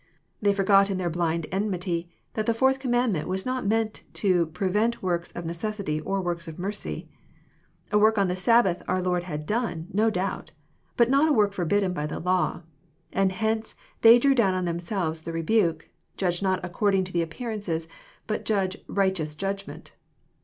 They forgot in their blind enmity that the fourth commandment was not meant to prevent works of necessity or works of mercy. A work on the Sabbath our Lord had done, no doubt, but not a work forbidden by the law. And hence they drew down on themselves the rebuke, " Judge not according to the appearance, but judge right eous judgment."